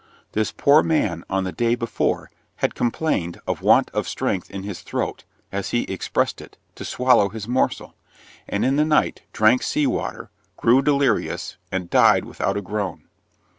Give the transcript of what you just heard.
This poor man, on the day before, had complained of want of strength in his throat, as he expressed it, to swallow his morsel; and, in the night, drank salt water, grew delirious, and died without a groan.